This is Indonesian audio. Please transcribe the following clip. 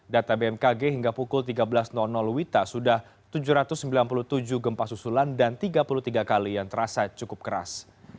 data bmkg hingga pukul tiga belas wita sudah tujuh ratus sembilan puluh tujuh gempa susulan dan tiga puluh tiga kali yang terasa cukup keras